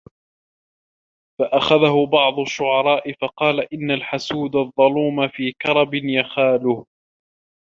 فَأَخَذَهُ بَعْضُ الشُّعَرَاءِ فَقَالَ إنَّ الْحَسُودَ الظَّلُومَ فِي كَرْبٍ يَخَالُهُ